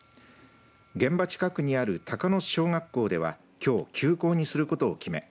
現場近くにある鷹巣小学校ではきょうきょう休校にすることを決め